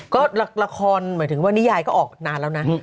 ก็ละครหมายถึงว่านิยายก็ออกนานแล้วนะ